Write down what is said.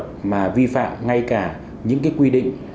không chỉ là vi phạm ngay cả những quy định